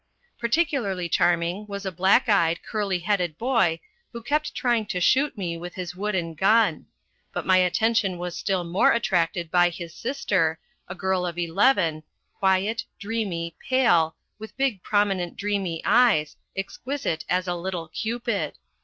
Particularly charming was a black eyed, curly headed boy, who kept trying to shoot me with his wooden gun. But my attention was still more attracted by his sister, a girl of eleven, quiet, dreamy, pale, with big, prominent, dreamy eyes, exquisite as a little Cupid.